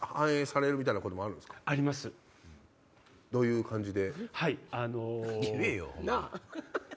どういう感じで？